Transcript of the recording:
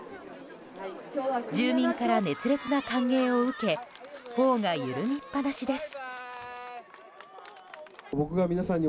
住民から熱烈な歓迎を受け頬が緩みっぱなしです。